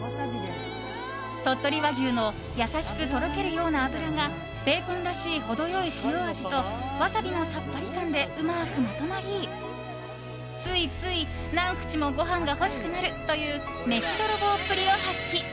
鳥取和牛の優しくとろけるような脂がベーコンらしい、程良い塩味とワサビのさっぱり感でうまくまとまりついつい何口もご飯が欲しくなるという飯泥棒っぷりを発揮。